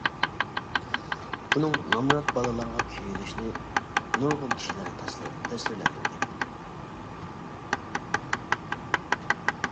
ئۇنىڭ نامرات بالىلارغا كۆيۈنۈشى نۇرغۇن كىشىلەرنى تەسىرلەندۈرگەن.